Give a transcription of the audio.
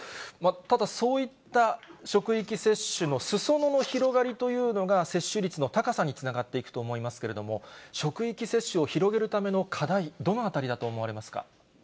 ただそういった職域接種のすそ野の広がりというのが、接種率の高さにつながっていくと思いますけれども、職域接種を広げるための課題、どのあたりだと思われますか？